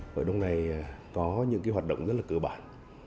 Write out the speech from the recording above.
hội đồng này có những cái hoạt động rất là cơ bản